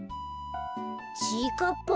ちぃかっぱ？